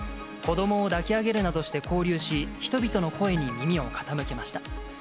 子どもを抱き上げるなどして交流し、人々の声に耳を傾けました。